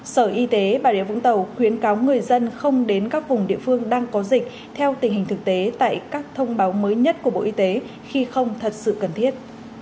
sở y tế bà rịa vũng tàu khuyến cáo người dân không đến các vùng địa phương đang có dịch theo tình hình thực tế tại các thông báo mới nhất của bộ y tế khi không thật sự cần thiết